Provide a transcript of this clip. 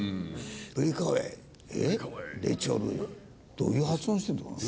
どういう発音してるんだろう。